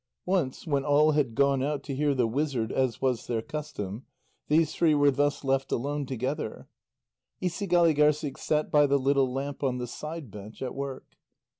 Once, when all had gone out to hear the wizard, as was their custom, these three were thus left alone together. Isigâligârssik sat by the little lamp on the side bench, at work.